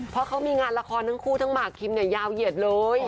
เพราะเขามีงานละครทั้งคู่ทั้งหมากคิมเนี่ยยาวเหยียดเลย